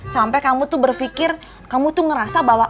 sampai kamu tuh berpikir kamu tuh ngerasa bahwa